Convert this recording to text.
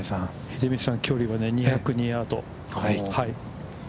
秀道さん、距離は２０２ヤード。